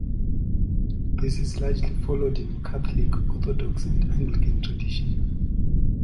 This is largely followed in Catholic, Orthodox, and Anglican tradition.